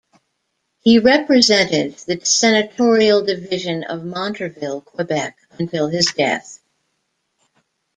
He represented the senatorial division of Montarville, Quebec until his death.